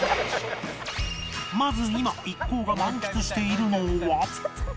まず今一行が満喫しているのは